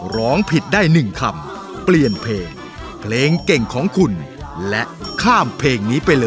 ร้องผิดได้๑คำเปลี่ยนเพลงเพลงเก่งของคุณและข้ามเพลงนี้ไปเลย